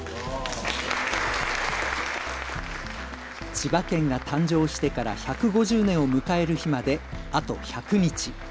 千葉県が誕生してから１５０年を迎える日まであと１００日。